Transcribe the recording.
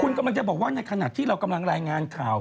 คุณกำลังจะบอกว่าในขณะที่เรากำลังรายงานข่าว